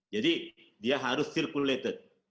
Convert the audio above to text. jadi dia harus circulated